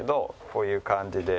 こういう感じで。